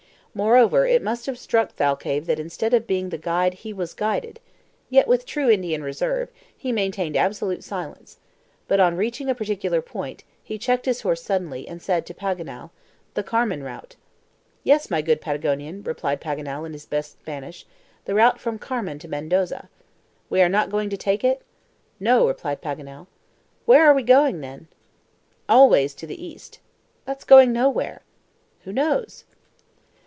Moreover, it must have struck Thalcave that instead of being the guide he was guided; yet, with true Indian reserve, he maintained absolute silence. But on reaching a particular point, he checked his horse suddenly, and said to Paganel: "The Carmen route." "Yes, my good Patagonian," replied Paganel in his best Spanish; "the route from Carmen to Mendoza." "We are not going to take it?" "No," replied Paganel. "Where are we going then?" "Always to the east." "That's going nowhere." "Who knows?"